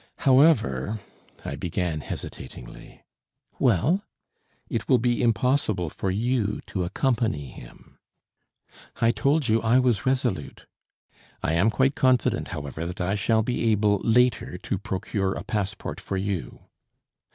"However " I began hesitatingly. "Well?" "It will be impossible for you to accompany him." "I told you I was resolute." "I am quite confident, however, that I shall be able later to procure a passport for you."